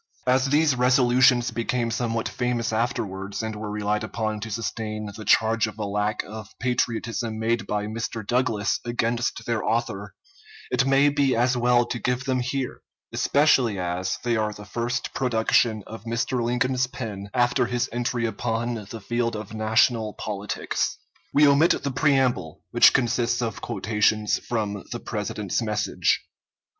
As these resolutions became somewhat famous afterwards, and were relied upon to sustain the charge of a lack of patriotism made by Mr. Douglas against their author, it may be as well to give them here, especially as they are the first production of Mr. Lincoln's pen after his entry upon the field of national politics. We omit the preamble, which consists of quotations from the President's message.